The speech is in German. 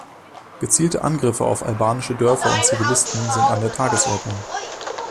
Gezielte Angriffe auf albanische Dörfer und Zivilisten sind an der Tagesordnung.